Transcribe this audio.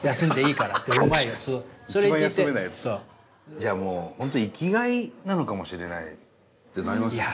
じゃあもうほんと生きがいなのかもしれないってなりますよね。